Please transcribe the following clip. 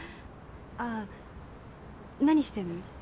ああなにしてんの？